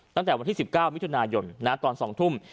ตั้งแต่วันที่๑๙มิถุนายนตอน๒ทุ่ม